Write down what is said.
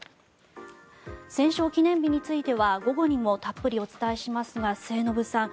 戦勝記念日については午後にもたっぷりお伝えしますが末延さん